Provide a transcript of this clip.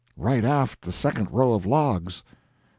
"Right aft the second row of logs."